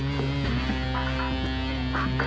kamu kemana deh